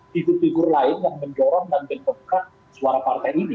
figur figur lain yang mendorong dan bentukkan suara partai ini